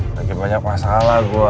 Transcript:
lagi banyak masalah gue